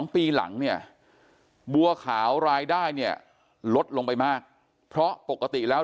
ปีหลังเนี่ยบัวขาวรายได้เนี่ยลดลงไปมากเพราะปกติแล้ว